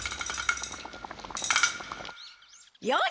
よし！